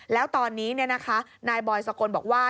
แล้วตอนนี้นายบอยสกลบอกว่า